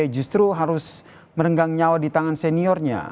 justru harus merenggang nyawa di tangan seniornya